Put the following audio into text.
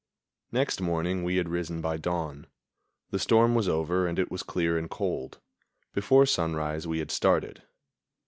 Next morning we had risen by dawn. The storm was over, and it was clear and cold. Before sunrise we had started.